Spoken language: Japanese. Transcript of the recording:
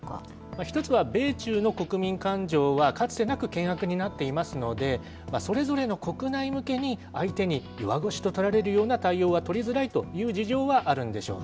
１つは米中の国民感情は、かつてなく険悪になっていますので、それぞれの国内向けに、相手に弱腰と取られるような対応は取りづらいという事情はあるんでしょう。